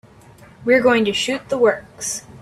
We're going to shoot the works.